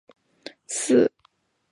嗣后各省官电归邮传部。